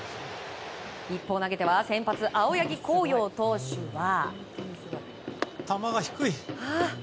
一方、投げては先発青柳晃洋投手は。